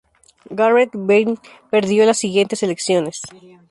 Garrett Byrne perdió las siguientes elecciones.